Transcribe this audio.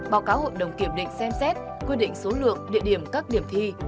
báo cáo hội đồng kiểm định xem xét quy định số lượng địa điểm các điểm thi